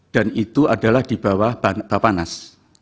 dan itu adalah di bawah bapanas